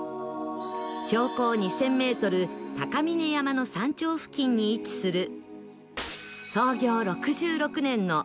標高２０００メートル高峯山の山頂付近に位置する